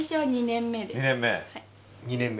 ２年目。